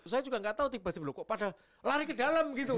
saya juga gak tau tiba tiba kok pada lari ke dalam gitu